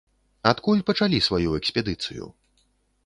Адкуль пачалі сваю экспедыцыю?